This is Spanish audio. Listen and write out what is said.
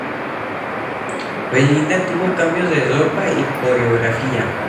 Belinda tuvo cambios de ropa y coreografía.